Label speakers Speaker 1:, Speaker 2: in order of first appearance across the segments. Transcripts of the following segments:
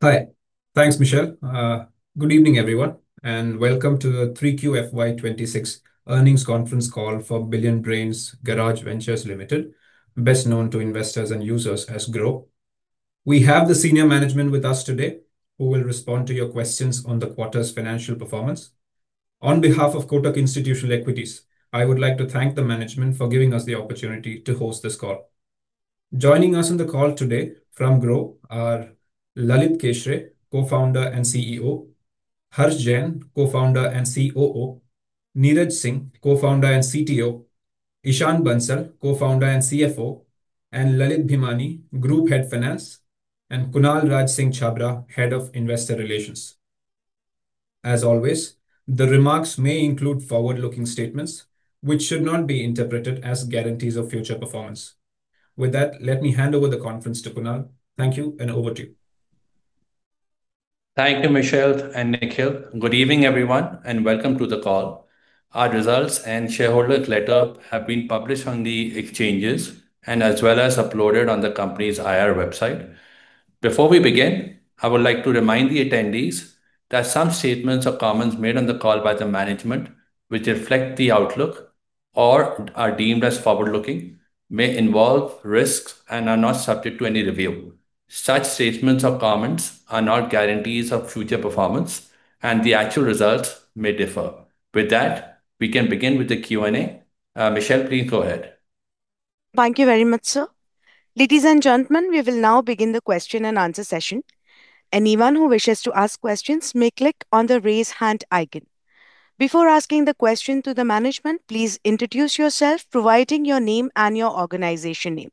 Speaker 1: Hi, thanks, Michelle. Good evening, everyone, and welcome to the 3Q FY 2026 earnings conference call for Billionbrains Garage Ventures Limited, best known to investors and users as Groww. We have the senior management with us today, who will respond to your questions on the quarter's financial performance. On behalf of Kotak Institutional Equities, I would like to thank the management for giving us the opportunity to host this call. Joining us on the call today from Groww are Lalit Keshre, co-founder and CEO, Harsh Jain, co-founder and COO, Neeraj Singh, co-founder and CTO, Ishan Bansal, co-founder and CFO, and Lalit Bhimani, Group Head Finance, and Kunal Raj Singh Chhabra, Head of Investor Relations. As always, the remarks may include forward-looking statements, which should not be interpreted as guarantees of future performance. With that, let me hand over the conference to Kunal. Thank you, and over to you.
Speaker 2: Thank you, Michelle and Nikhil. Good evening, everyone, and welcome to the call. Our results and shareholder letter have been published on the exchanges and as well as uploaded on the company's IR website. Before we begin, I would like to remind the attendees that some statements or comments made on the call by the management, which reflect the outlook or are deemed as forward-looking, may involve risks and are not subject to any review. Such statements or comments are not guarantees of future performance, and the actual results may differ. With that, we can begin with the Q&A. Michelle, please go ahead.
Speaker 3: Thank you very much, sir. Ladies and gentlemen, we will now begin the question-and-answer session. Anyone who wishes to ask questions may click on the raise hand icon. Before asking the question to the management, please introduce yourself, providing your name and your organization name.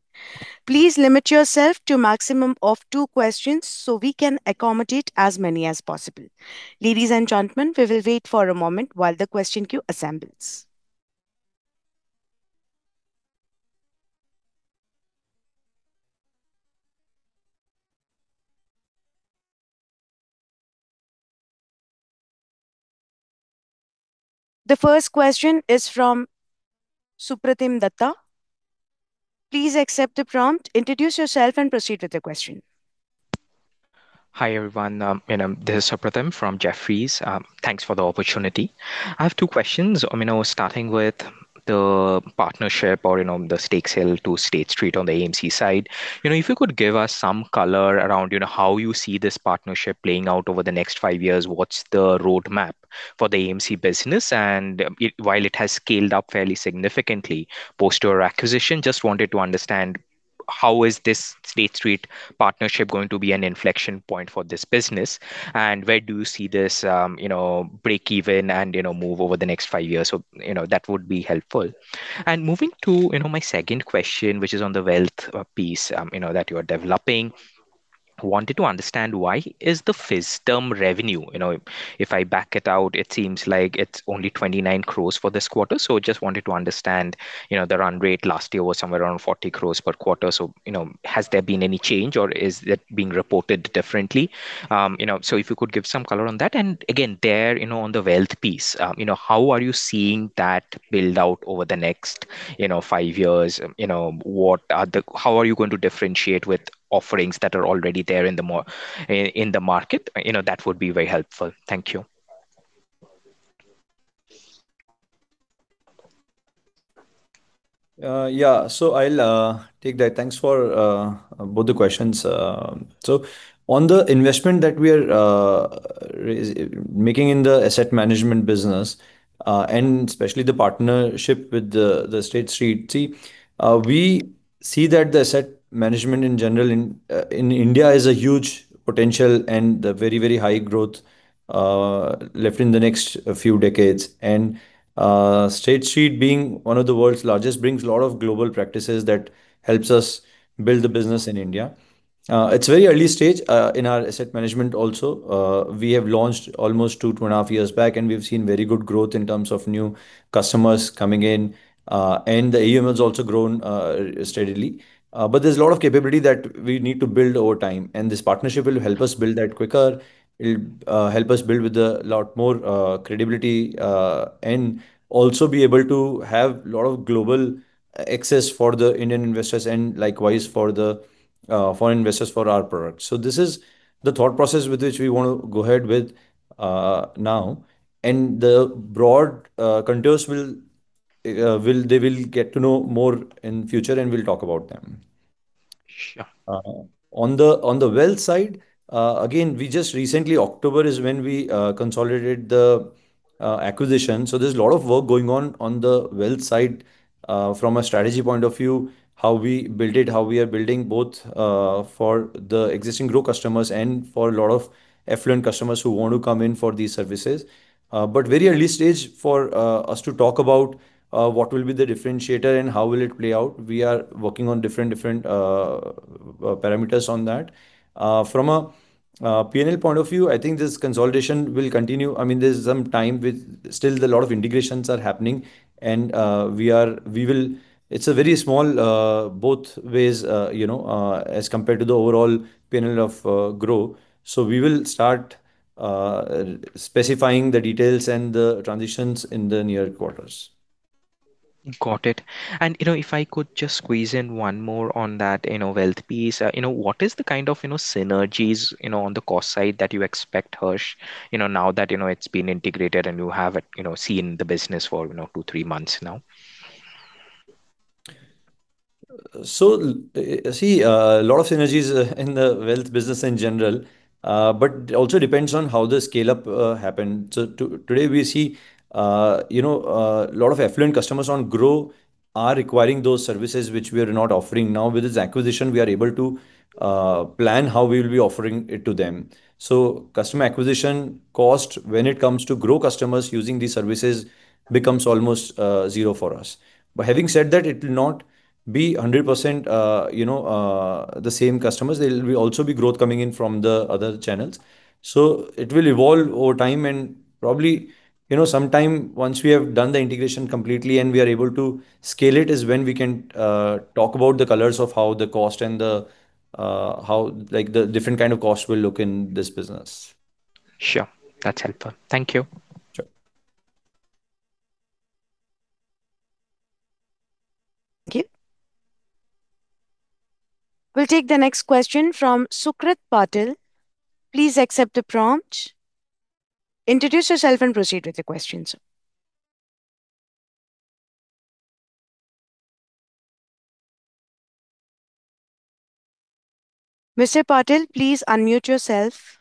Speaker 3: Please limit yourself to a maximum of two questions so we can accommodate as many as possible. Ladies and gentlemen, we will wait for a moment while the question queue assembles. The first question is from Supratim Datta. Please accept the prompt, introduce yourself, and proceed with the question.
Speaker 4: Hi, everyone. This is Supratim from Jefferies. Thanks for the opportunity. I have two questions. Starting with the partnership or the stake sale to State Street on the AMC side. If you could give us some color around how you see this partnership playing out over the next five years, what's the roadmap for the AMC business? And while it has scaled up fairly significantly post your acquisition, just wanted to understand how is this State Street partnership going to be an inflection point for this business? And where do you see this break-even and move over the next five years? So that would be helpful. And moving to my second question, which is on the wealth piece that you are developing, wanted to understand why is the fiscal revenue? If I back it out, it seems like it's only 29 crores for this quarter. So just wanted to understand the run rate. Last year was somewhere around 40 crores per quarter. So has there been any change, or is that being reported differently? So if you could give some color on that. And again, there on the wealth piece, how are you seeing that build out over the next five years? How are you going to differentiate with offerings that are already there in the market? That would be very helpful. Thank you.
Speaker 5: Yeah, so I'll take that. Thanks for both the questions. So on the investment that we are making in the asset management business, and especially the partnership with the State Street, we see that the asset management in general in India is a huge potential and very, very high growth left in the next few decades. And State Street, being one of the world's largest, brings a lot of global practices that help us build the business in India. It's a very early stage in our asset management also. We have launched almost two and a half years back, and we've seen very good growth in terms of new customers coming in. And the AUM has also grown steadily. But there's a lot of capability that we need to build over time. And this partnership will help us build that quicker. It'll help us build with a lot more credibility and also be able to have a lot of global access for the Indian investors and likewise for the foreign investors for our products. So this is the thought process with which we want to go ahead with now. The broad contours will get to know more in the future, and we'll talk about them. On the wealth side, again, we just recently, October is when we consolidated the acquisition. So there's a lot of work going on on the wealth side from a strategy point of view, how we built it, how we are building both for the existing Groww customers and for a lot of affluent customers who want to come in for these services. But very early stage for us to talk about what will be the differentiator and how will it play out, we are working on different parameters on that. From a P&L point of view, I think this consolidation will continue. I mean, there's some time with still a lot of integrations are happening. And we will, it's a very small both ways as compared to the overall P&L of Groww. So we will start specifying the details and the transitions in the near quarters.
Speaker 4: Got it. And if I could just squeeze in one more on that wealth piece, what is the kind of synergies on the cost side that you expect, Harsh, now that it's been integrated and you have seen the business for two, three months now?
Speaker 5: So see, a lot of synergies in the wealth business in general, but also depends on how the scale-up happens. So today we see a lot of affluent customers on Groww are requiring those services, which we are not offering. Now, with this acquisition, we are able to plan how we will be offering it to them. So customer acquisition cost when it comes to Groww customers using these services becomes almost zero for us. But having said that, it will not be 100% the same customers. There will also be growth coming in from the other channels. So it will evolve over time. And probably sometime once we have done the integration completely and we are able to scale it is when we can talk about the colors of how the cost and how the different kind of cost will look in this business. Sure. That's helpful. Thank you. Sure.
Speaker 3: Thank you. We'll take the next question from Sukrit Patil. Please accept the prompt. Introduce yourself and proceed with the questions. Mr. Patil, please unmute yourself.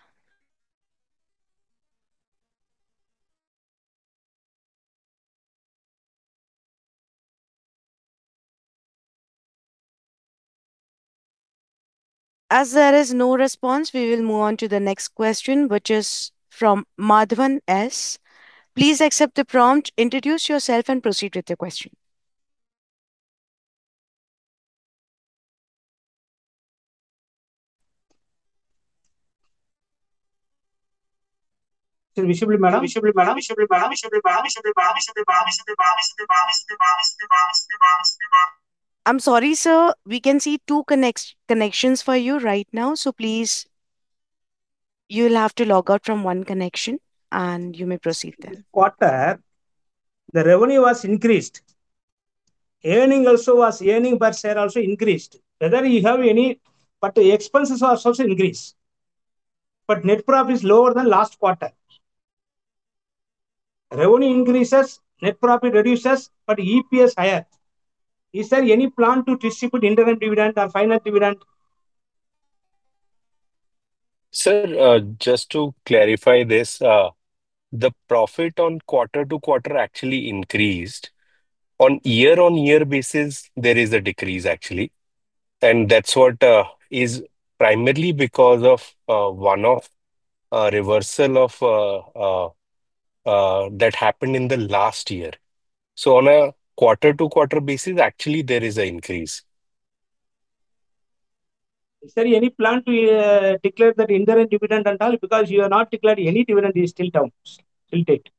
Speaker 3: As there is no response, we will move on to the next question, which is from Madhavan S. Please accept the prompt. Introduce yourself and proceed with the question. I'm sorry, sir. We can see two connections for you right now. So please, you'll have to log out from one connection, and you may proceed there.
Speaker 6: This quarter, the revenue was increased. Earnings also was, earnings per share also increased. Whether you have any, but the expenses are also increased. But net profit is lower than last quarter. Revenue increases, net profit reduces, but EPS higher. Is there any plan to distribute interim dividend or final dividend?
Speaker 2: Sir, just to clarify this, the profit on quarter to quarter actually increased. On year-on-year basis, there is a decrease, actually. And that's what is primarily because of one-off reversal that happened in the last year. So on a quarter to quarter basis, actually, there is an increase.
Speaker 6: Sir, any plan to declare that interim dividend and all? Because you have not declared any dividend, it's still down. Still weak.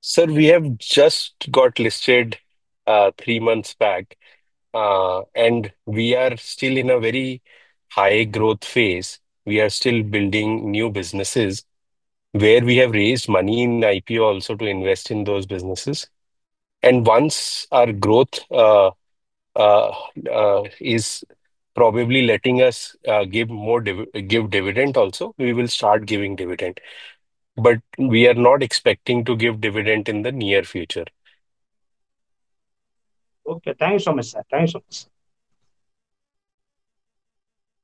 Speaker 2: Sir, we have just got listed three months back, and we are still in a very high growth phase. We are still building new businesses where we have raised money in IPO also to invest in those businesses. And once our growth is probably letting us give more dividend also, we will start giving dividend. But we are not expecting to give dividend in the near future.
Speaker 6: Okay. Thank you so much, sir. Thank you so much.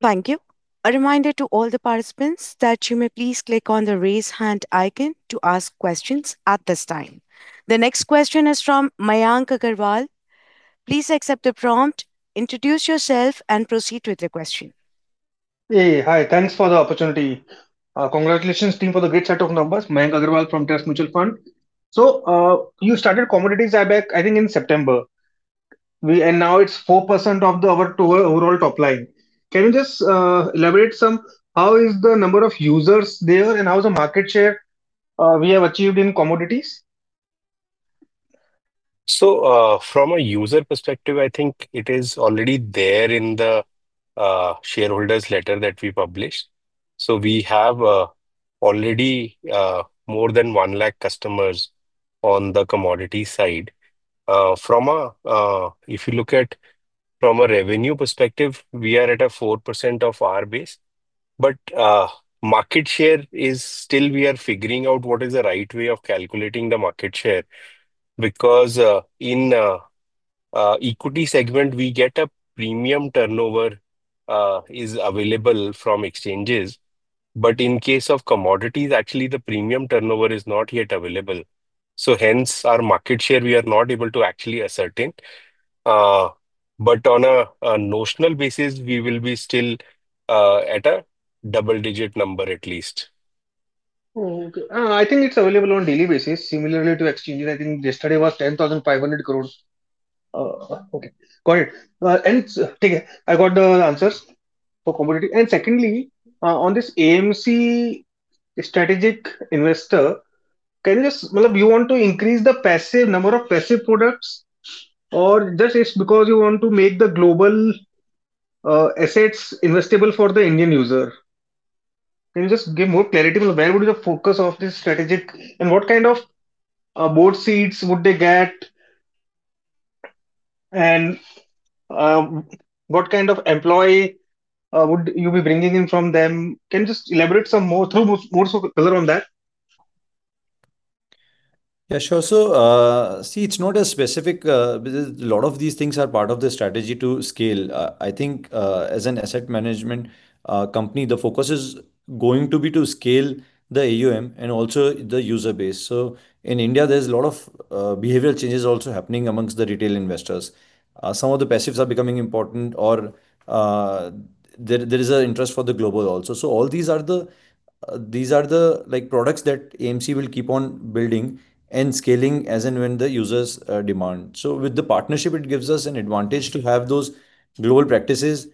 Speaker 3: Thank you. A reminder to all the participants that you may please click on the raise hand icon to ask questions at this time. The next question is from Mayank Agarwal. Please accept the prompt. Introduce yourself and proceed with the question.
Speaker 7: Hey, hi. Thanks for the opportunity. Congratulations, team, for the great set of numbers. Mayank Agarwal from TRUST Mutual Fund. So you started commodities in beta, I think, in September. And now it's 4% of the overall top line. Can you just elaborate on how the number of users there is and how the market share we have achieved in commodities?
Speaker 2: So from a user perspective, I think it is already there in the shareholders' letter that we published. So we have already more than 1 lakh customers on the commodity side. If you look at from a revenue perspective, we are at a 4% of our base. But market share is still we are figuring out what is the right way of calculating the market share. Because in equity segment, we get a premium turnover is available from exchanges. But in case of commodities, actually, the premium turnover is not yet available. So hence, our market share we are not able to actually ascertain. But on a notional basis, we will be still at a double-digit number at least.
Speaker 7: Okay. I think it's available on a daily basis. Similarly to exchanges, I think yesterday was 10,500 crores. Okay. Got it. And okay. I got the answers for commodity. And secondly, on this AMC strategic investor, can you just you want to increase the passive number of passive products or just it's because you want to make the global assets investable for the Indian user? Can you just give more clarity? Where would be the focus of this strategic and what kind of board seats would they get? And what kind of employee would you be bringing in from them? Can you just elaborate some more through more color on that?
Speaker 5: Yeah, sure. So see, it's not specific. A lot of these things are part of the strategy to scale. I think as an asset management company, the focus is going to be to scale the AUM and also the user base. So in India, there's a lot of behavioral changes also happening amongst the retail investors. Some of the passives are becoming important or there is an interest for the global also. So all these are the products that AMC will keep on building and scaling as and when the users demand. So with the partnership, it gives us an advantage to have those global practices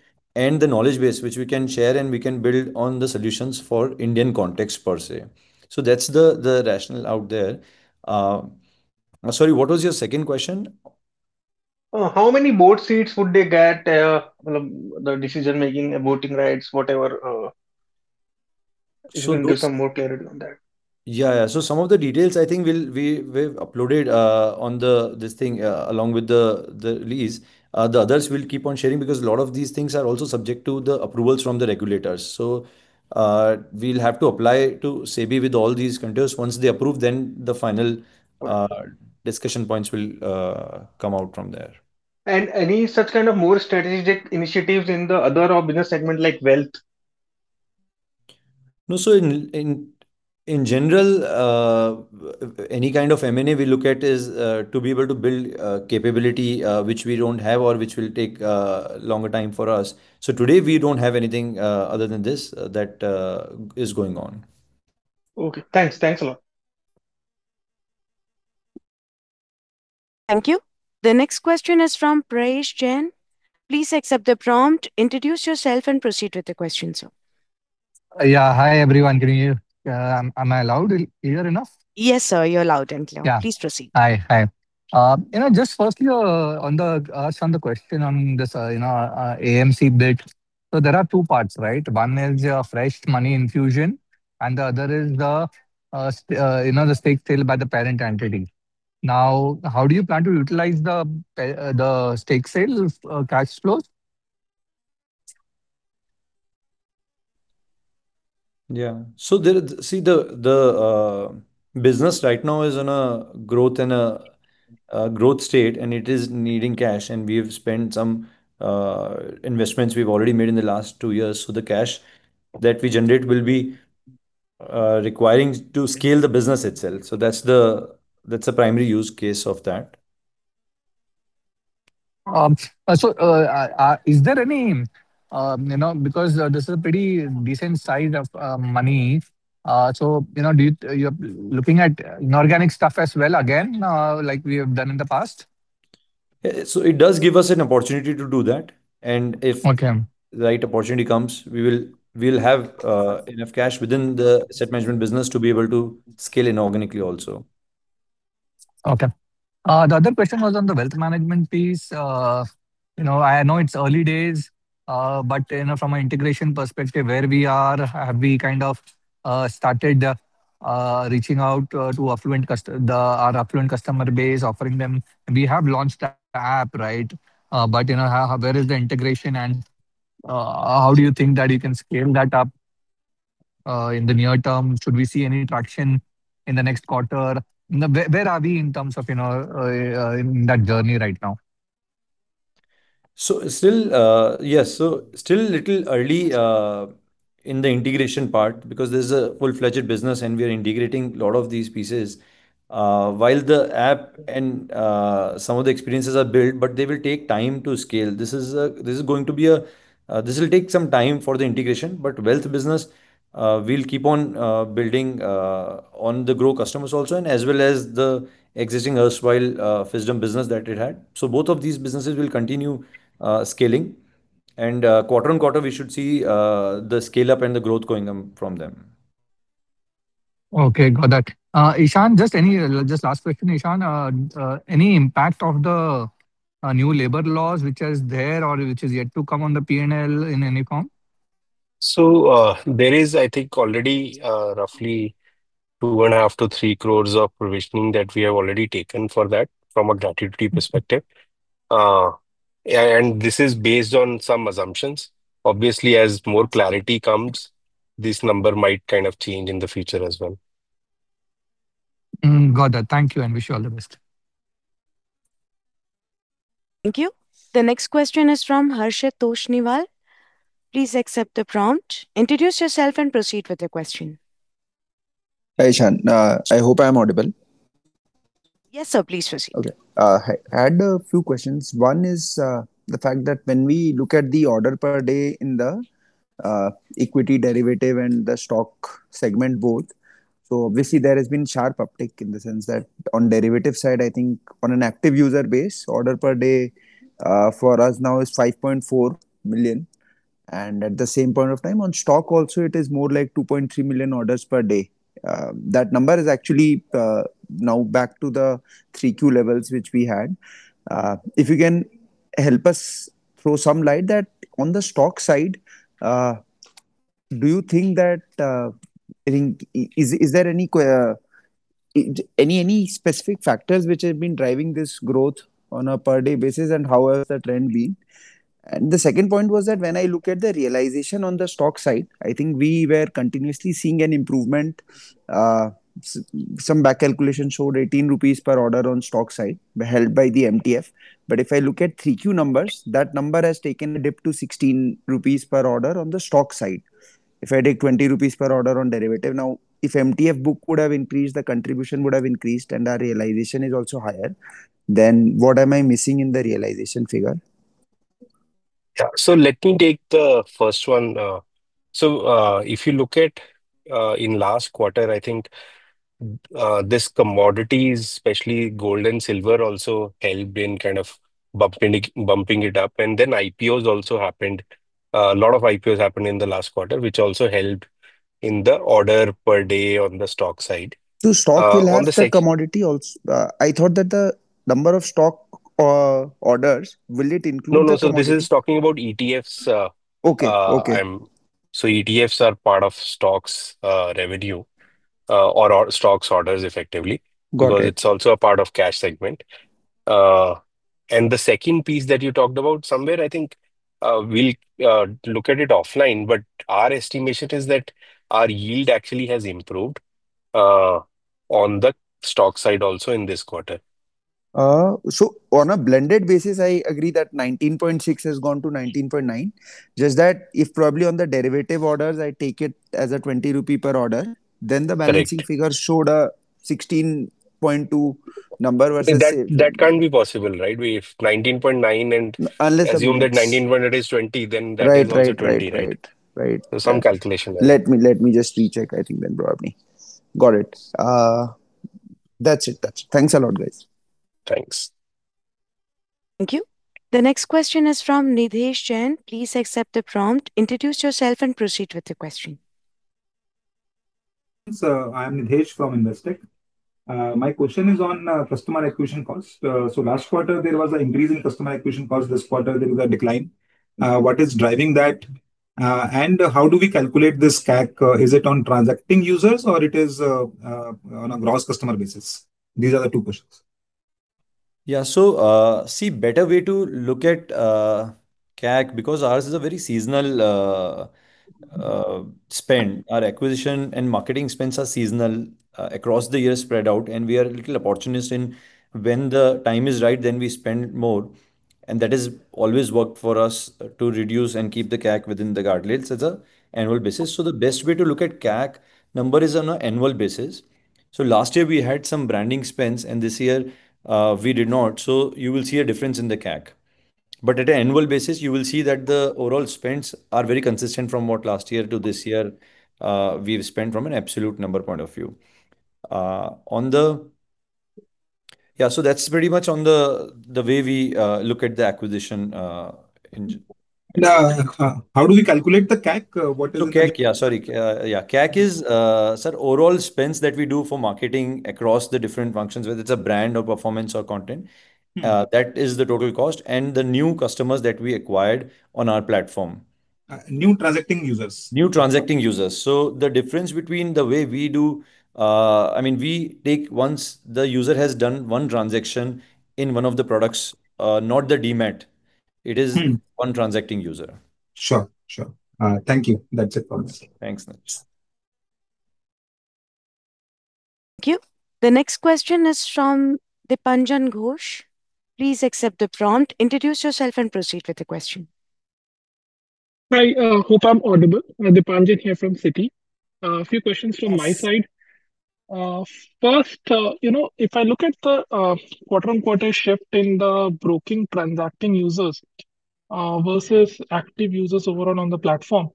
Speaker 5: and the knowledge base, which we can share and we can build on the solutions for Indian context per se. So that's the rationale out there. Sorry, what was your second question?
Speaker 7: How many board seats would they get? The decision-making, voting rights, whatever. You can give some more clarity on that.
Speaker 5: Yeah, yeah. So some of the details, I think we've uploaded on this thing along with the lease. The others we'll keep on sharing because a lot of these things are also subject to the approvals from the regulators. So we'll have to apply to SEBI with all these contours. Once they approve, then the final discussion points will come out from there.
Speaker 7: And any such kind of more strategic initiatives in the other business segment like wealth?
Speaker 5: No, so in general, any kind of M&A we look at is to be able to build capability which we don't have or which will take longer time for us. So today, we don't have anything other than this that is going on.
Speaker 7: Okay. Thanks. Thanks a lot.
Speaker 3: Thank you. The next question is from Prayesh Jain. Please accept the prompt. Introduce yourself and proceed with the question, sir.
Speaker 8: Yeah. Hi, everyone. Can you hear me? Am I loud here enough?
Speaker 3: Yes, sir. You're loud and clear. Please proceed.
Speaker 8: Hi. Hi. Just firstly, on the question on this AMC bit, so there are two parts, right? One is fresh money infusion, and the other is the stake sale by the parent entity. Now, how do you plan to utilize the stake sale cash flows?
Speaker 1: Yeah. So, see, the business right now is in a growth state, and it is needing cash. And we have spent some investments we've already made in the last two years. So the cash that we generate will be requiring to scale the business itself. So that's the primary use case of that.
Speaker 8: So, is there any because this is a pretty decent size of money. So, you're looking at inorganic stuff as well again, like we have done in the past?
Speaker 1: It does give us an opportunity to do that. If the right opportunity comes, we will have enough cash within the asset management business to be able to scale inorganically also.
Speaker 8: Okay. The other question was on the wealth management piece. I know it's early days, but from an integration perspective, where we are, have we kind of started reaching out to our affluent customer base, offering them? We have launched that app, right? But where is the integration? And how do you think that you can scale that up in the near term? Should we see any traction in the next quarter? Where are we in terms of in that journey right now?
Speaker 9: Yes, so still a little early in the integration part because this is a full-fledged business, and we are integrating a lot of these pieces. While the app and some of the experiences are built, but they will take time to scale. This will take some time for the integration, but wealth business, we'll keep on building on the Groww customers also and as well as the existing erstwhile Fisdom business that it had. So both of these businesses will continue scaling. And quarter on quarter, we should see the scale-up and the growth going from them.
Speaker 8: Okay. Got that. Ishan, just last question, Ishan. Any impact of the new labor laws which are there or which is yet to come on the P&L in any form?
Speaker 9: There is, I think, already roughly 2.5 crores-3 crores of provisioning that we have already taken for that from a gratuity perspective. And this is based on some assumptions. Obviously, as more clarity comes, this number might kind of change in the future as well.
Speaker 8: Got that. Thank you. I wish you all the best.
Speaker 3: Thank you. The next question is from Harshit Toshniwal. Please accept the prompt. Introduce yourself and proceed with the question.
Speaker 10: Hi, Ishan. I hope I am audible.
Speaker 9: Yes, sir. Please proceed.
Speaker 10: Okay. I had a few questions. One is the fact that when we look at the order per day in the equity derivative and the stock segment both, so obviously, there has been sharp uptick in the sense that on derivative side, I think on an active user base, order per day for us now is 5.4 million. And at the same point of time, on stock also, it is more like 2.3 million orders per day. That number is actually now back to the 3Q levels which we had. If you can help us throw some light on that on the stock side, do you think that is there any specific factors which have been driving this growth on a per day basis and how has the trend been? And the second point was that when I look at the realization on the stock side, I think we were continuously seeing an improvement. Some back calculation showed 18 rupees per order on stock side held by the MTF. But if I look at 3Q numbers, that number has taken a dip to 16 rupees per order on the stock side. If I take 20 rupees per order on derivative, now if MTF book would have increased, the contribution would have increased, and our realization is also higher, then what am I missing in the realization figure?
Speaker 2: Yeah. So let me take the first one. So if you look at the last quarter, I think these commodities, especially gold and silver, also helped in kind of bumping it up, and then IPOs also happened. A lot of IPOs happened in the last quarter, which also helped in the orders per day on the stock side.
Speaker 10: The stock will have the commodity also? I thought that the number of stock orders, will it include?
Speaker 2: No, no. So this is talking about ETFs. So ETFs are part of stocks revenue or stocks orders effectively because it's also a part of cash segment. And the second piece that you talked about somewhere, I think we'll look at it offline, but our estimation is that our yield actually has improved on the stock side also in this quarter.
Speaker 10: On a blended basis, I agree that 19.6 has gone to 19.9. Just that if probably on the derivative orders, I take it as a 20 rupee per order, then the balancing figure showed a 16.2 number versus that.
Speaker 2: That can't be possible, right? If 19.9 and assume that 19.8 is 20, then that goes to 20, right? So some calculation.
Speaker 10: Let me just recheck, I think, then probably. Got it. That's it. Thanks a lot, guys.
Speaker 2: Thanks.
Speaker 3: Thank you. The next question is from Nidhesh Jain. Please accept the prompt. Introduce yourself and proceed with the question.
Speaker 11: I'm Nidhesh from Investec. My question is on customer acquisition costs. Last quarter, there was an increase in customer acquisition costs. This quarter, there was a decline. What is driving that? And how do we calculate this CAC? Is it on transacting users or it is on a gross customer basis? These are the two questions.
Speaker 5: Yeah. So, see, a better way to look at CAC because ours is a very seasonal spend. Our acquisition and marketing spends are seasonal across the year spread out. And we are a little opportunist in when the time is right, then we spend more. And that has always worked for us to reduce and keep the CAC within the guardrails as an annual basis. So the best way to look at CAC number is on an annual basis. So last year, we had some branding spends, and this year, we did not. So you will see a difference in the CAC. But at an annual basis, you will see that the overall spends are very consistent from what last year to this year we've spent from an absolute number point of view. Yeah. So that's pretty much on the way we look at the acquisition.
Speaker 11: How do we calculate the CAC? What is it?
Speaker 5: CAC is, sir, overall spends that we do for marketing across the different functions, whether it's a brand or performance or content. That is the total cost and the new customers that we acquired on our platform.
Speaker 11: New transacting users?
Speaker 5: New transacting users. So the difference between the way we do, I mean, we take once the user has done one transaction in one of the products, not the demat. It is one transacting user.
Speaker 11: Sure. Sure. Thank you. That's it for me.
Speaker 5: Thanks.
Speaker 3: Thank you. The next question is from Dipanjan Ghosh. Please accept the prompt. Introduce yourself and proceed with the question.
Speaker 12: Hi, I hope I'm audible. Dipanjan here from Citi. A few questions from my side. First, if I look at the quarter-on-quarter shift in the broking transacting users versus active users overall on the platform,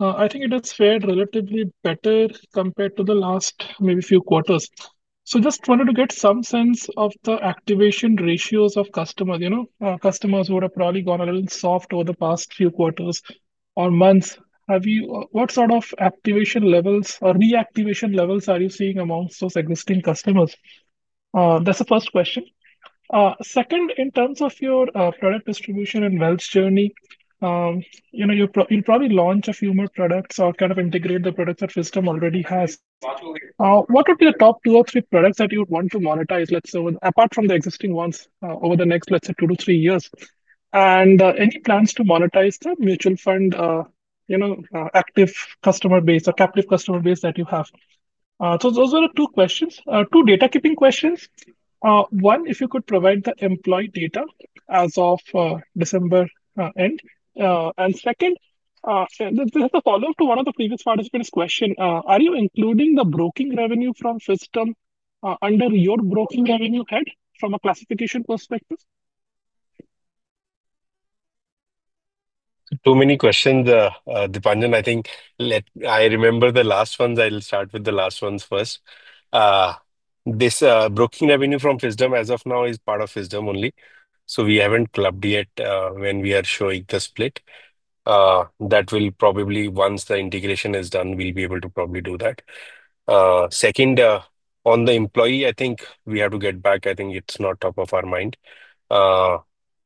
Speaker 12: I think it has fared relatively better compared to the last maybe few quarters. So just wanted to get some sense of the activation ratios of customers. Customers would have probably gone a little soft over the past few quarters or months. What sort of activation levels or reactivation levels are you seeing amongst those existing customers? That's the first question. Second, in terms of your product distribution and wealth journey, you'll probably launch a few more products or kind of integrate the products that Fisdom already has. What would be the top two or three products that you would want to monetize, let's say, apart from the existing ones over the next, let's say, two to three years? And any plans to monetize the mutual fund active customer base or captive customer base that you have? So those are the two questions. Two housekeeping questions. One, if you could provide the employee data as of December end. And second, this is a follow-up to one of the previous participants' question. Are you including the broking revenue from Fisdom under your broking revenue head from a classification perspective?
Speaker 2: Too many questions, Dipanjan. I think I remember the last ones. I'll start with the last ones first. This broking revenue from Fisdom as of now is part of Fisdom only. So we haven't clubbed yet when we are showing the split. That will probably, once the integration is done, we'll be able to probably do that. Second, on the employee, I think we have to get back. I think it's not top of our mind.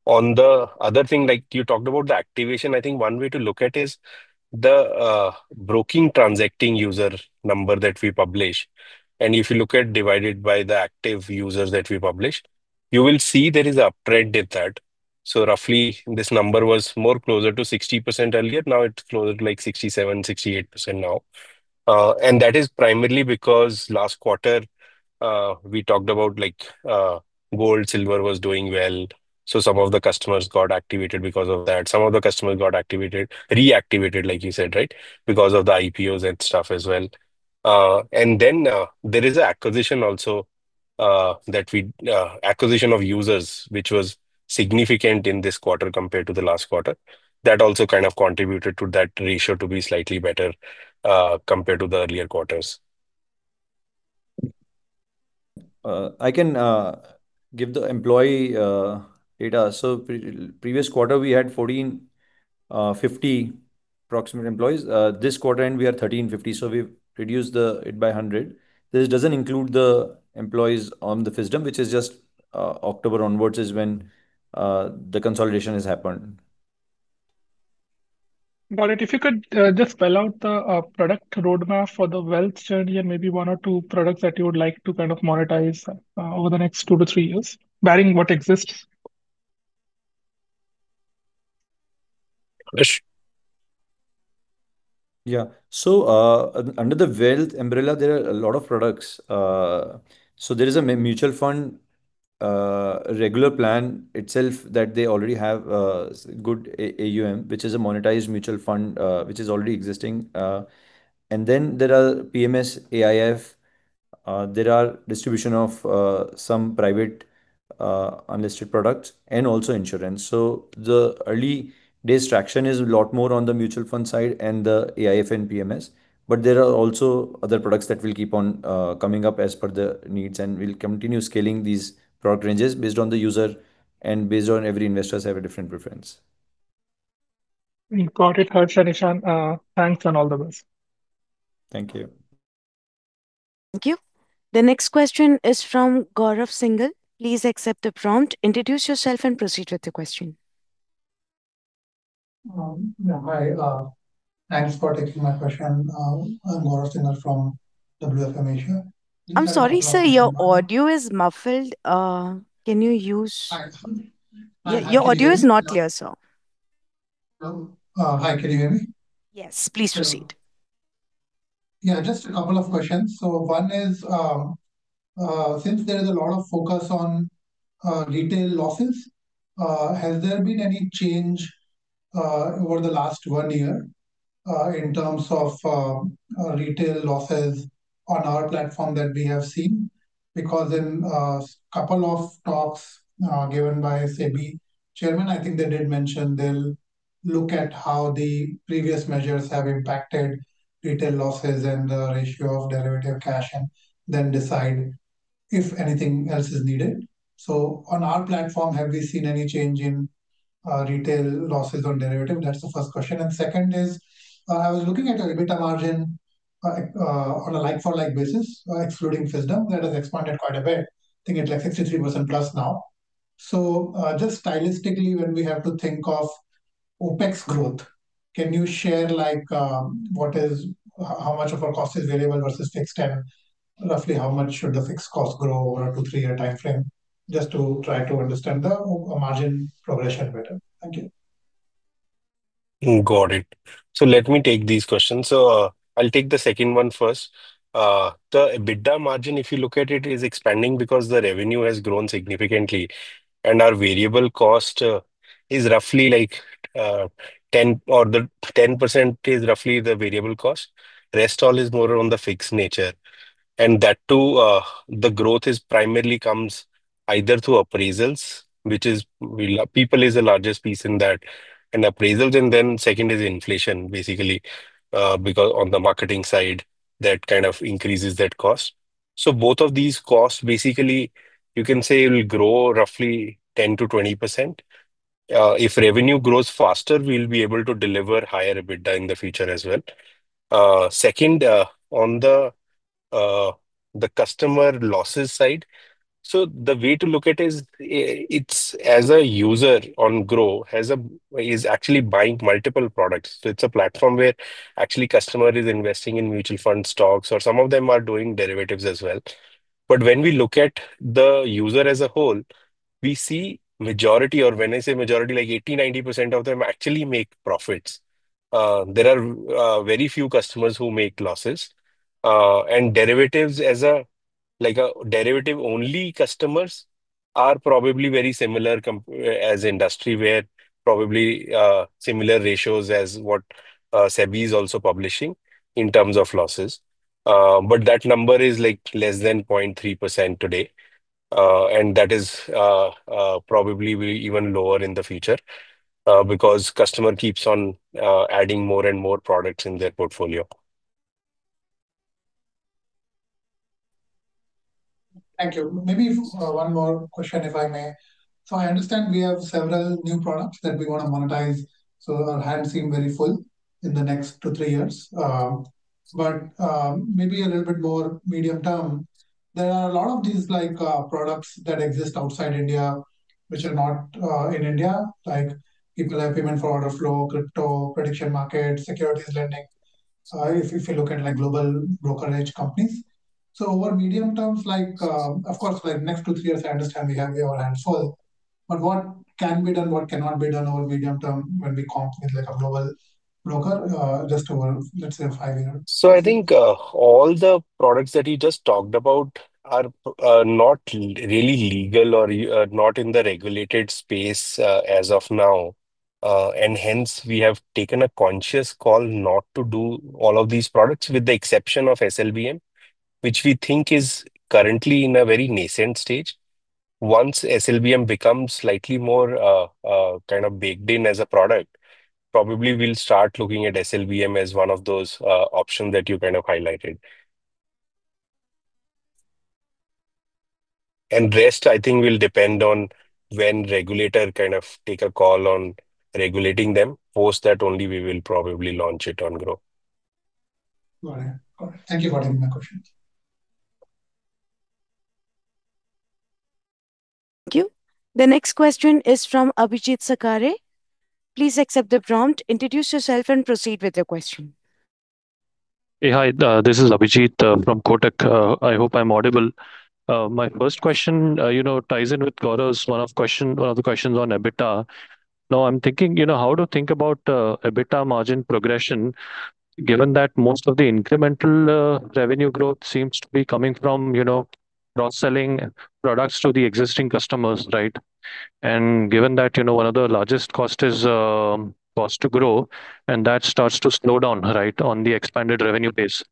Speaker 2: On the other thing, like you talked about the activation, I think one way to look at is the broking transacting user number that we publish. And if you look at divided by the active users that we publish, you will see there is an uptrend in that. So roughly, this number was more closer to 60% earlier. Now it's closer to like 67%-68% now. And that is primarily because last quarter, we talked about gold, silver was doing well. So some of the customers got activated because of that. Some of the customers got reactivated, like you said, right, because of the IPOs and stuff as well. And then there is an acquisition also, acquisition of users, which was significant in this quarter compared to the last quarter. That also kind of contributed to that ratio to be slightly better compared to the earlier quarters.
Speaker 5: I can give the employee data. So previous quarter, we had 1,450 approximate employees. This quarter, we are 1,350. So we've reduced it by 100. This doesn't include the employees on the Fisdom, which is just October onwards is when the consolidation has happened.
Speaker 12: Got it. If you could just spell out the product roadmap for the wealth journey and maybe one or two products that you would like to kind of monetize over the next two to three years, beyond what exists.
Speaker 5: Yeah. So under the wealth umbrella, there are a lot of products. So there is a mutual fund regular plan itself that they already have good AUM, which is a monetized mutual fund, which is already existing. And then there are PMS, AIF. There are distribution of some private unlisted products and also insurance. So the early days' traction is a lot more on the mutual fund side and the AIF and PMS. But there are also other products that will keep on coming up as per the needs and will continue scaling these product ranges based on the user and based on every investor's have a different preference.
Speaker 12: Got it. Thanks and all the best.
Speaker 5: Thank you.
Speaker 3: Thank you. The next question is from Gaurav Singhal. Please accept the prompt. Introduce yourself and proceed with the question.
Speaker 13: Hi. Thanks for taking my question. I'm Gaurav Singhal from WFM Asia.
Speaker 3: I'm sorry, sir. Your audio is muffled. Can you use?
Speaker 13: Hi.
Speaker 3: Your audio is not clear, sir.
Speaker 13: Hi. Can you hear me?
Speaker 3: Yes. Please proceed.
Speaker 13: Yeah. Just a couple of questions. So one is, since there is a lot of focus on retail losses, has there been any change over the last one year in terms of retail losses on our platform that we have seen? Because in a couple of talks given by SEBI Chairman, I think they did mention they'll look at how the previous measures have impacted retail losses and the ratio of derivative cash and then decide if anything else is needed. So on our platform, have we seen any change in retail losses on derivative? That's the first question. And second is, I was looking at a little bit of margin on a like-for-like basis, excluding FISDM, that has expanded quite a bit. I think it's like 63%+ now. So just stylistically, when we have to think of OpEx growth, can you share what is how much of our cost is variable versus fixed and roughly how much should the fixed cost grow over a two-three-year timeframe just to try to understand the margin progression better? Thank you.
Speaker 2: Got it. So let me take these questions. So I'll take the second one first. The EBITDA margin, if you look at it, is expanding because the revenue has grown significantly. And our variable cost is roughly like 10% or the 10% is roughly the variable cost. Rest all is more on the fixed nature. And that too, the growth primarily comes either through appraisals, which is people is the largest piece in that and appraisals. And then second is inflation, basically, because on the marketing side, that kind of increases that cost. So both of these costs, basically, you can say will grow roughly 10%-20%. If revenue grows faster, we'll be able to deliver higher EBITDA in the future as well. Second, on the customer losses side, so the way to look at it is as a user on Groww is actually buying multiple products. So it's a platform where actually customer is investing in mutual fund stocks or some of them are doing derivatives as well. But when we look at the user as a whole, we see majority, or when I say majority, like 80%-90% of them actually make profits. There are very few customers who make losses. And derivatives as a derivative-only customers are probably very similar as industry where probably similar ratios as what SEBI is also publishing in terms of losses. But that number is less than 0.3% today. And that is probably even lower in the future because customer keeps on adding more and more products in their portfolio.
Speaker 13: Thank you. Maybe one more question, if I may. So I understand we have several new products that we want to monetize. So our hands seem very full in the next two to three years. But maybe a little bit more medium term, there are a lot of these products that exist outside India, which are not in India, like payment for order flow, crypto, prediction market, securities lending, if you look at global brokerage companies. So over medium term, of course, next two to three years, I understand we have our hands full. But what can be done, what cannot be done over medium term when we compare with a global broker just over, let's say, five years?
Speaker 2: So I think all the products that you just talked about are not really legal or not in the regulated space as of now. And hence, we have taken a conscious call not to do all of these products with the exception of SLBM, which we think is currently in a very nascent stage. Once SLBM becomes slightly more kind of baked in as a product, probably we'll start looking at SLBM as one of those options that you kind of highlighted. And rest, I think, will depend on when regulator kind of take a call on regulating them. Post that, only we will probably launch it on Groww.
Speaker 13: Got it. Thank you for taking my question.
Speaker 3: Thank you. The next question is from Abhijit Sakhare. Please accept the prompt. Introduce yourself and proceed with your question.
Speaker 14: Hey, hi. This is Abhijit from Kotak. I hope I'm audible. My first question ties in with Gaurav's one of the questions on EBITDA. Now I'm thinking how to think about EBITDA margin progression, given that most of the incremental revenue growth seems to be coming from cross-selling products to the existing customers, right? And given that one of the largest costs is cost to grow, and that starts to slow down, right, on the expanded revenue base.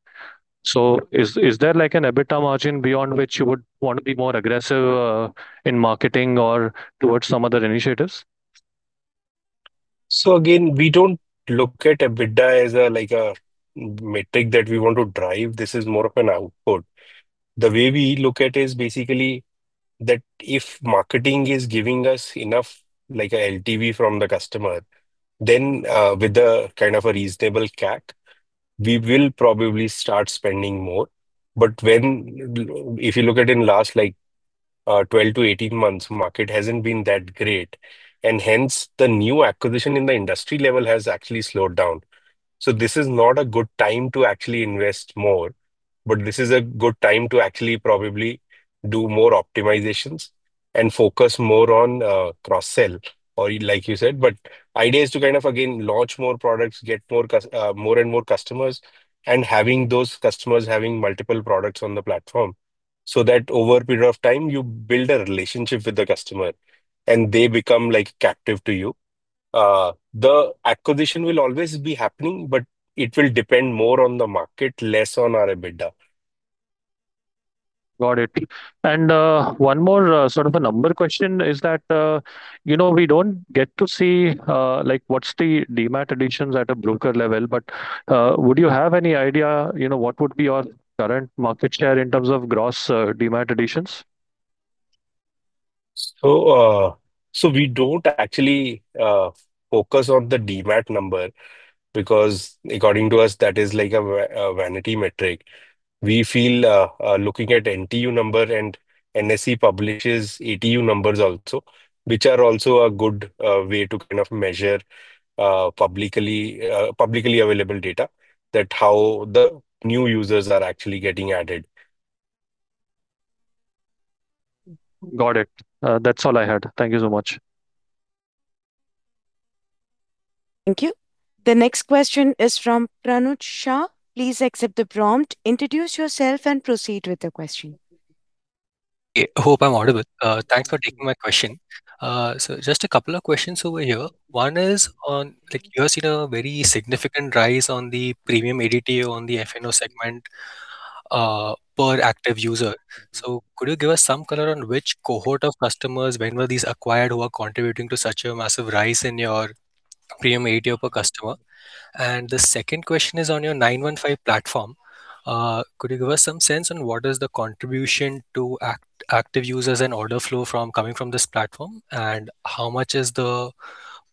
Speaker 14: So is there an EBITDA margin beyond which you would want to be more aggressive in marketing or towards some other initiatives?
Speaker 9: So again, we don't look at EBITDA as a metric that we want to drive. This is more of an output. The way we look at it is basically that if marketing is giving us enough LTV from the customer, then with kind of a reasonable CAC, we will probably start spending more. But if you look at it in the last 12 to 18 months, market hasn't been that great. And hence, the new acquisition in the industry level has actually slowed down. So this is not a good time to actually invest more, but this is a good time to actually probably do more optimizations and focus more on cross-sell, like you said. But the idea is to kind of, again, launch more products, get more and more customers, and having those customers having multiple products on the platform so that over a period of time, you build a relationship with the customer, and they become captive to you. The acquisition will always be happening, but it will depend more on the market, less on our EBITDA.
Speaker 14: Got it. And one more sort of a number question is that we don't get to see what's the Demat additions at a broker level, but would you have any idea what would be your current market share in terms of gross Demat additions?
Speaker 9: We don't actually focus on the Demat number because according to us, that is like a vanity metric. We feel looking at NTU number and NSE publishes ATU numbers also, which are also a good way to kind of measure publicly available data, that how the new users are actually getting added.
Speaker 14: Got it. That's all I had. Thank you so much.
Speaker 3: Thank you. The next question is from Pranut Shah. Please accept the prompt. Introduce yourself and proceed with the question.
Speaker 15: Hope I'm audible. Thanks for taking my question. So just a couple of questions over here. One is on you have seen a very significant rise on the premium ADTO on the F&O segment per active user. So could you give us some color on which cohort of customers, when were these acquired, who are contributing to such a massive rise in your premium ADTO per customer? And the second question is on your 915 platform. Could you give us some sense on what is the contribution to active users and order flow coming from this platform, and how much is the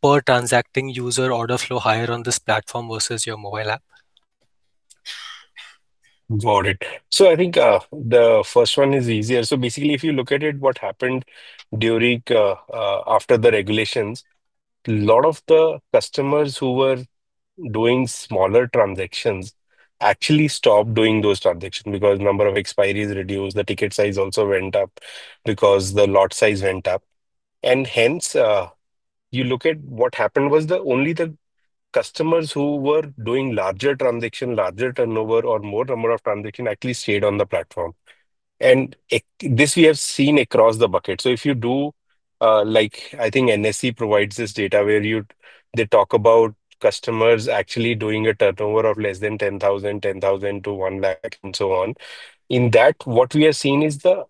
Speaker 15: per transacting user order flow higher on this platform versus your mobile app?
Speaker 9: Got it. So I think the first one is easier. So basically, if you look at it, what happened after the regulations, a lot of the customers who were doing smaller transactions actually stopped doing those transactions because the number of expiries reduced, the ticket size also went up because the lot size went up. And hence, you look at what happened was only the customers who were doing larger transactions, larger turnover, or more number of transactions actually stayed on the platform. And this we have seen across the bucket. So if you do, I think NSE provides this data where they talk about customers actually doing a turnover of less than 10,000, 10,000-1,000,000 and so on. In that, what we have seen is the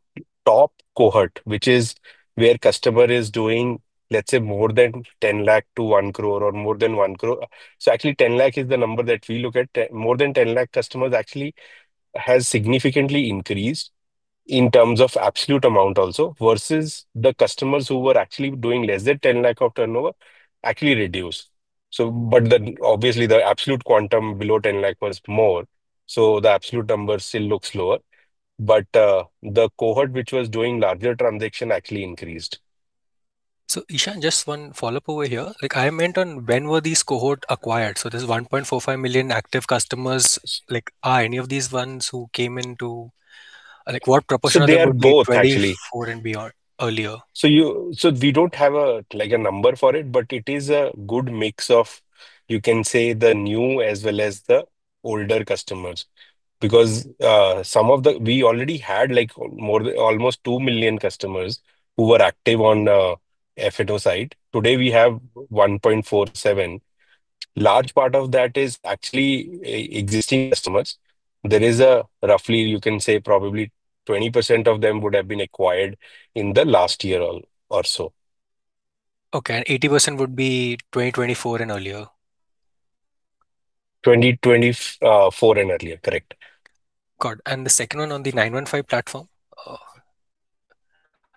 Speaker 9: top cohort, which is where customer is doing, let's say, more than 10,000,000-1,000,000 or more than 1,000,000. So actually, 10,000,000 is the number that we look at. More than 10,000,000 customers actually has significantly increased in terms of absolute amount also versus the customers who were actually doing less than 10,000,000 of turnover actually reduced. But obviously, the absolute quantum below 10,000,000 was more. So the absolute number still looks lower. But the cohort which was doing larger transaction actually increased.
Speaker 15: So Ishan, just one follow-up over here. I meant on when were these cohort acquired? So there's 1.45 million active customers. Are any of these ones who came into what proportion of the 2024 and beyond earlier?
Speaker 9: So we don't have a number for it, but it is a good mix of, you can say, the new as well as the older customers. Because some of the we already had almost 2 million customers who were active on the F&O side. Today, we have 1.47. Large part of that is actually existing customers. There is roughly, you can say, probably 20% of them would have been acquired in the last year or so.
Speaker 15: Okay. And 80% would be 2024 and earlier?
Speaker 9: 2024 and earlier. Correct.
Speaker 15: Got it. And the second one on the 915 platform?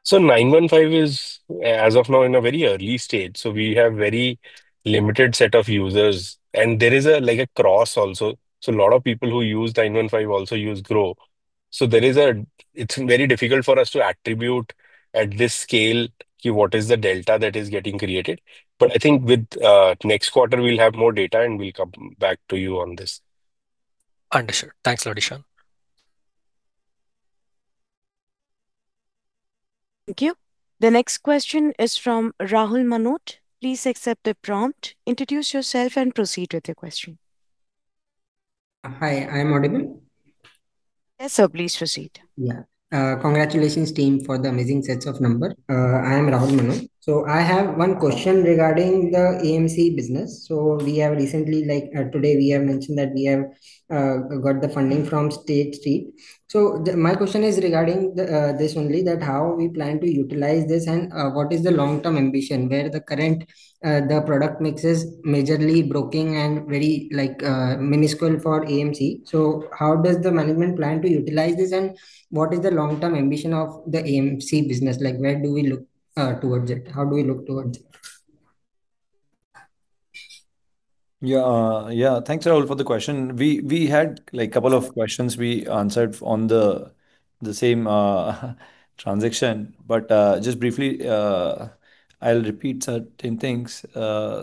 Speaker 9: So 915 is, as of now, in a very early stage. We have a very limited set of users. And there is a crossover also. A lot of people who use 915 also use Groww. It's very difficult for us to attribute at this scale what is the delta that is getting created. But I think with next quarter, we'll have more data and we'll come back to you on this.
Speaker 15: Understood. Thanks, Lord Ishan.
Speaker 3: Thank you. The next question is from Rahul Manot. Please accept the prompt. Introduce yourself and proceed with your question.
Speaker 16: Hi. I'm audible?
Speaker 3: Yes, sir. Please proceed.
Speaker 16: Yeah. Congratulations, team, for the amazing sets of numbers. I am Rahul Manot. So I have one question regarding the AMC business. So we have recently, today, we have mentioned that we have got the funding from State Street. So my question is regarding this only, that how we plan to utilize this and what is the long-term ambition where the current product mix is majorly broken and very minuscule for AMC. So how does the management plan to utilize this and what is the long-term ambition of the AMC business? Where do we look towards it? How do we look towards it?
Speaker 5: Yeah. Yeah. Thanks, Rahul, for the question. We had a couple of questions we answered on the same transition. But just briefly, I'll repeat certain things.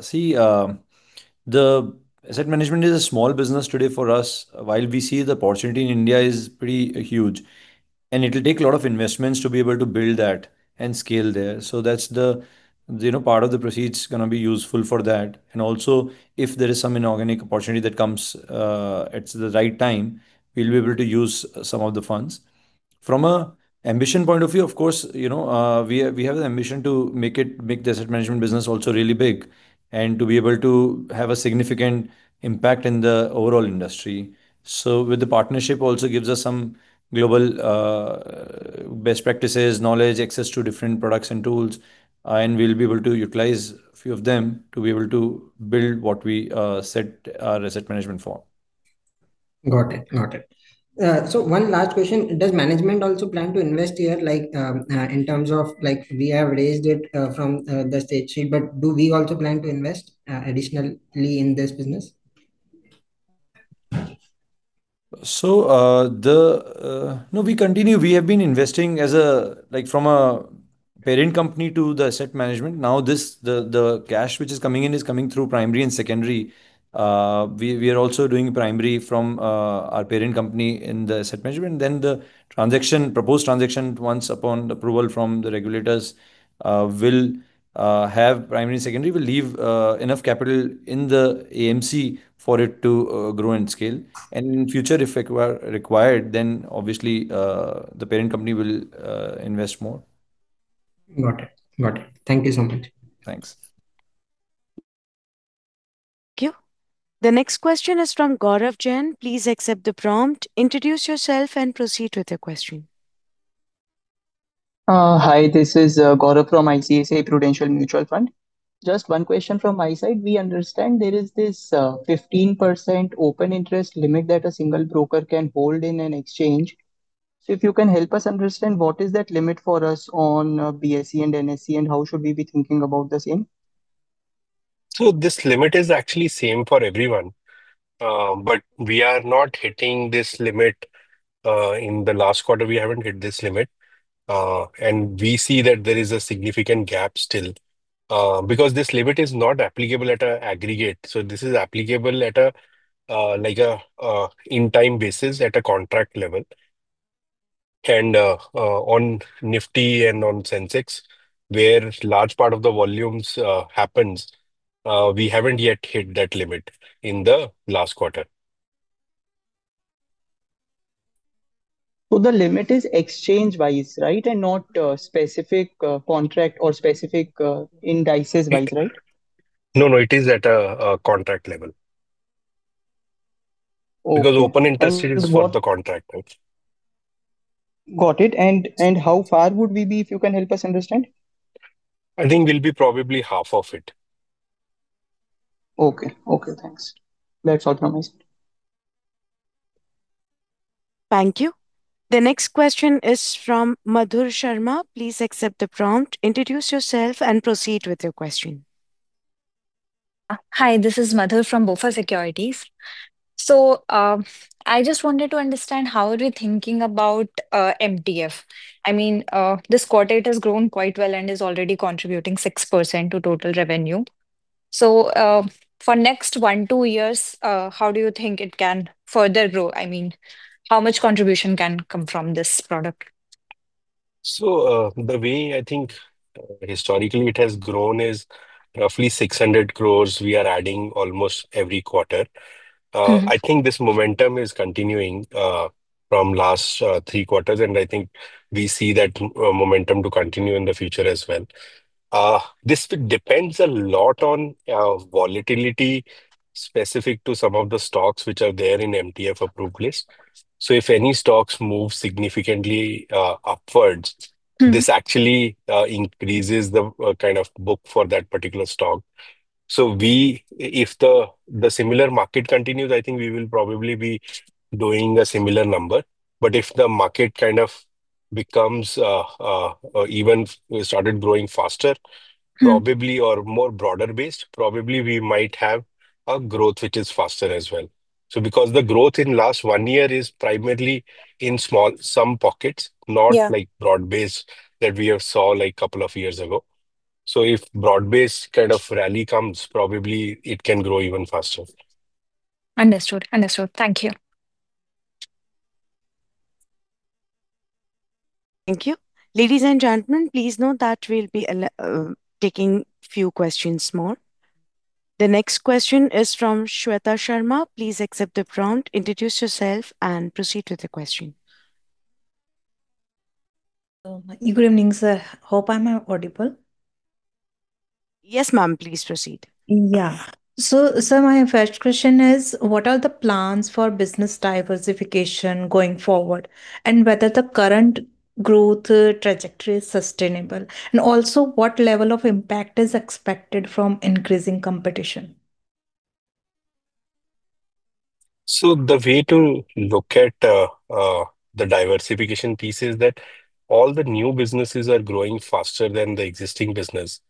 Speaker 5: See, the asset management is a small business today for us. While we see the opportunity in India is pretty huge, and it'll take a lot of investments to be able to build that and scale there. So that's the part of the proceeds going to be useful for that. And also, if there is some inorganic opportunity that comes at the right time, we'll be able to use some of the funds. From an ambition point of view, of course, we have an ambition to make the asset management business also really big and to be able to have a significant impact in the overall industry. So with the partnership also gives us some global best practices, knowledge, access to different products and tools. And we'll be able to utilize a few of them to be able to build what we set our asset management for.
Speaker 16: Got it. Got it. So one last question. Does management also plan to invest here in terms of we have raised it from the State Street, but do we also plan to invest additionally in this business?
Speaker 5: So no, we continue. We have been investing from a parent company to the asset management. Now, the cash which is coming in is coming through primary and secondary. We are also doing primary from our parent company in the asset management. Then the proposed transaction, once upon approval from the regulators, will have primary and secondary will leave enough capital in the AMC for it to grow and scale. And in future, if required, then obviously, the parent company will invest more.
Speaker 16: Got it. Got it. Thank you so much.
Speaker 5: Thanks.
Speaker 3: Thank you. The next question is from Gaurav Jain. Please accept the prompt. Introduce yourself and proceed with your question.
Speaker 17: Hi. This is Gaurav from ICICI Prudential Mutual Fund. Just one question from my side. We understand there is this 15% open interest limit that a single broker can hold in an exchange. So if you can help us understand what is that limit for us on BSE and NSE, and how should we be thinking about the same?
Speaker 2: So this limit is actually same for everyone. But we are not hitting this limit. In the last quarter, we haven't hit this limit. And we see that there is a significant gap still because this limit is not applicable at an aggregate. So this is applicable at an in-time basis at a contract level. And on Nifty and on Sensex, where a large part of the volumes happens, we haven't yet hit that limit in the last quarter.
Speaker 17: So the limit is exchange-wise, right, and not specific contract or specific indices-wise, right?
Speaker 2: No, no. It is at a contract level because open interest is for the contract, right?
Speaker 17: Got it, and how far would we be if you can help us understand?
Speaker 2: I think we'll be probably half of it.
Speaker 17: Okay. Okay. Thanks. That's all from my side.
Speaker 3: Thank you. The next question is from Madhur Sharma. Please accept the prompt. Introduce yourself and proceed with your question.
Speaker 18: Hi. This is Madhur from BofA Securities. So I just wanted to understand how are we thinking about MTF? I mean, this quarter has grown quite well and is already contributing 6% to total revenue. So for next one to two years, how do you think it can further grow? I mean, how much contribution can come from this product?
Speaker 2: So the way I think historically it has grown is roughly 600 crores we are adding almost every quarter. I think this momentum is continuing from last three quarters. And I think we see that momentum to continue in the future as well. This depends a lot on volatility specific to some of the stocks which are there in MTF approved list. So if any stocks move significantly upwards, this actually increases the kind of book for that particular stock. So if the similar market continues, I think we will probably be doing a similar number. But if the market kind of becomes even started growing faster, probably or more broader-based, probably we might have a growth which is faster as well. So because the growth in last one year is primarily in small some pockets, not like broad-based that we have saw like a couple of years ago. So if broad-based kind of rally comes, probably it can grow even faster.
Speaker 3: Understood. Thank you. Ladies and gentlemen, please note that we'll be taking a few questions more. The next question is from Shweta Sharma. Please accept the prompt. Introduce yourself and proceed with the question.
Speaker 19: Good evening, sir. Hope I'm audible.
Speaker 3: Yes, ma'am. Please proceed.
Speaker 19: Yeah. So, sir, my first question is, what are the plans for business diversification going forward and whether the current growth trajectory is sustainable? And also, what level of impact is expected from increasing competition?
Speaker 2: The way to look at the diversification piece is that all the new businesses are growing faster than the existing business.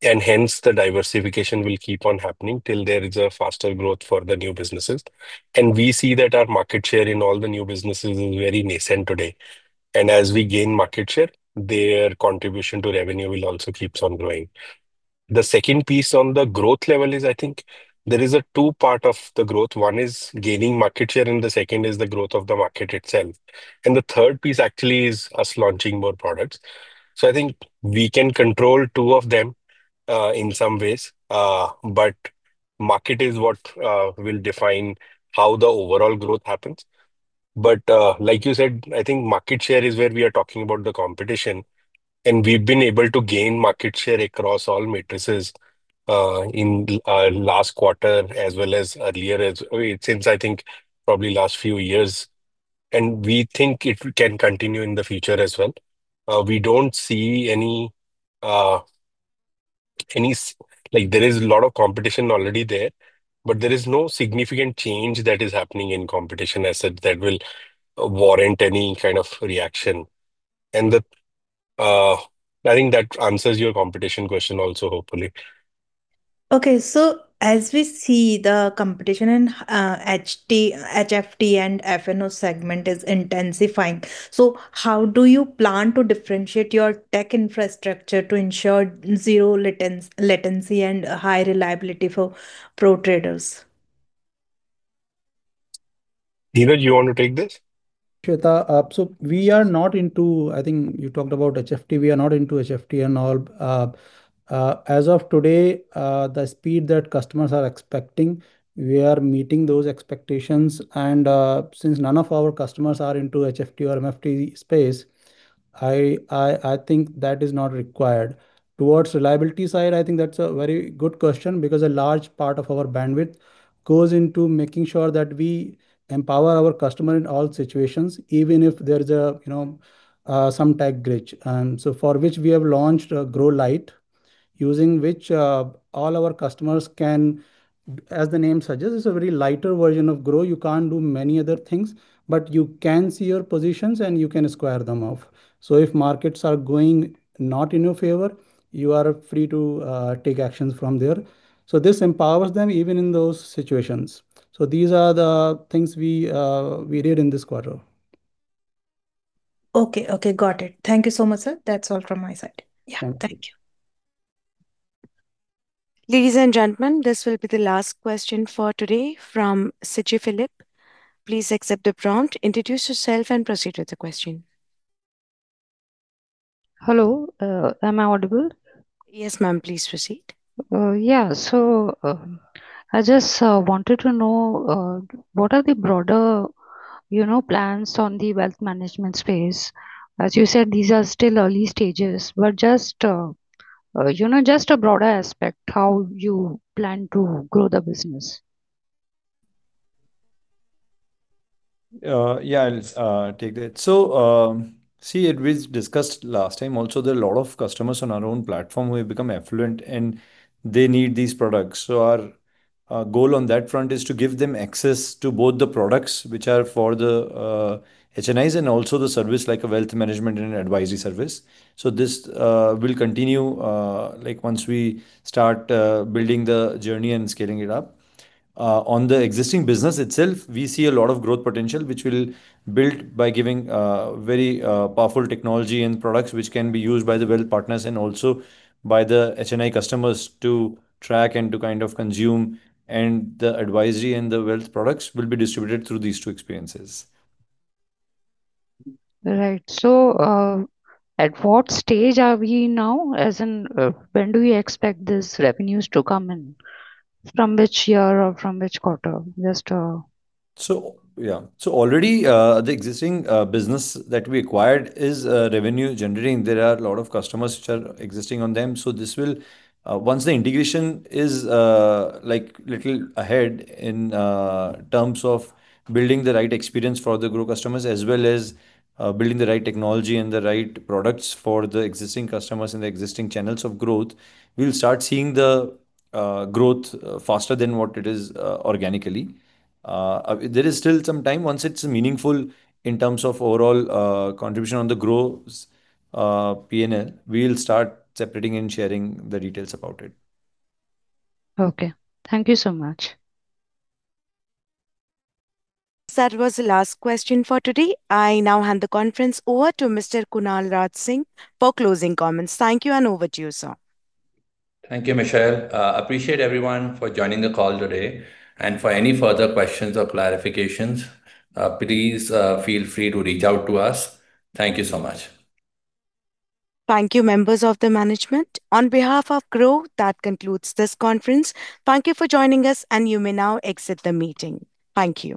Speaker 2: And hence, the diversification will keep on happening till there is a faster growth for the new businesses. And we see that our market share in all the new businesses is very nascent today. And as we gain market share, their contribution to revenue will also keep on growing. The second piece on the growth level is, I think there is a two-part of the growth. One is gaining market share, and the second is the growth of the market itself. And the third piece actually is us launching more products. So I think we can control two of them in some ways. But market is what will define how the overall growth happens. But, like you said, I think market share is where we are talking about the competition. And we've been able to gain market share across all metrics in last quarter as well as earlier since I think probably last few years. And we think it can continue in the future as well. We don't see any. There is a lot of competition already there, but there is no significant change that is happening in competition assets that will warrant any kind of reaction. And I think that answers your competition question also, hopefully.
Speaker 19: Okay. So as we see the competition in HFT and F&O segment is intensifying. So how do you plan to differentiate your tech infrastructure to ensure zero latency and high reliability for pro traders?
Speaker 2: Neeraj, you want to take this?
Speaker 20: Shweta. We are not into, I think you talked about HFT. We are not into HFT and all. As of today, the speed that customers are expecting, we are meeting those expectations. Since none of our customers are into HFT or MFT space, I think that is not required. Towards reliability side, I think that's a very good question because a large part of our bandwidth goes into making sure that we empower our customer in all situations, even if there's some tech glitch. For which we have launched a Groww Lite, using which all our customers can, as the name suggests, it's a very lighter version of Groww. You can't do many other things, but you can see your positions and you can square them off. If markets are going not in your favor, you are free to take actions from there. So this empowers them even in those situations. So these are the things we did in this quarter.
Speaker 19: Okay. Okay. Got it. Thank you so much, sir. That's all from my side. Yeah.
Speaker 3: Thank you. Ladies and gentlemen, this will be the last question for today from Siji Philip. Please accept the prompt. Introduce yourself and proceed with the question.
Speaker 21: Hello. Am I audible?
Speaker 3: Yes, ma'am. Please proceed.
Speaker 21: Yeah. So I just wanted to know what are the broader plans on the wealth management space? As you said, these are still early stages, but just a broader aspect, how you plan to grow the business?
Speaker 5: Yeah. I'll take that. So see, as we discussed last time, also there are a lot of customers on our own platform who have become affluent and they need these products. Our goal on that front is to give them access to both the products, which are for the HNIs and also the service like a wealth management and advisory service. This will continue once we start building the journey and scaling it up. On the existing business itself, we see a lot of growth potential, which will build by giving very powerful technology and products which can be used by the wealth partners and also by the HNI customers to track and to kind of consume. The advisory and the wealth products will be distributed through these two experiences.
Speaker 21: Right. So at what stage are we now? When do you expect these revenues to come in? From which year or from which quarter? Just a.
Speaker 5: So yeah. So already, the existing business that we acquired is revenue-generating. There are a lot of customers which are existing on them. So this will, once the integration is a little ahead in terms of building the right experience for the Groww customers, as well as building the right technology and the right products for the existing customers and the existing channels of growth, we'll start seeing the growth faster than what it is organically. There is still some time. Once it's meaningful in terms of overall contribution on the Groww P&L, we'll start separating and sharing the details about it.
Speaker 21: Okay. Thank you so much.
Speaker 3: That was the last question for today. I now hand the conference over to Mr. Kunal Raj Singh for closing comments. Thank you and over to you, sir.
Speaker 2: Thank you, Michelle. Appreciate everyone for joining the call today, and for any further questions or clarifications, please feel free to reach out to us. Thank you so much.
Speaker 3: Thank you, members of the management. On behalf of Groww, that concludes this conference. Thank you for joining us, and you may now exit the meeting. Thank you.